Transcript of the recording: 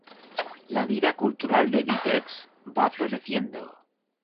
La vida cultural de Vítebsk va floreciendo.